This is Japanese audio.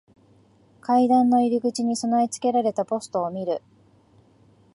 階段の入り口に備え付けられたポストを見る。